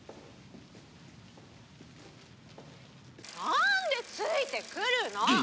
なんでついてくるの？